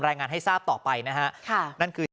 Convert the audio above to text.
รายงานให้ทราบต่อไปนะฮะ